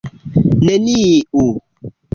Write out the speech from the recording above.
Neniu.